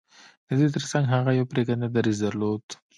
د دې ترڅنګ هغه يو پرېکنده دريځ درلود.